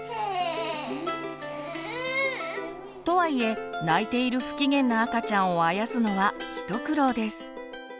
とはいえ泣いている不機嫌な赤ちゃんをあやすのは一苦労です。